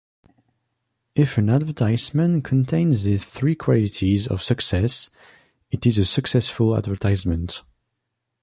If an advertisement contains these three qualities of success, it is a successful advertisement.